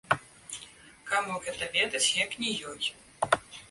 Каму гэта ведаць, як не ёй.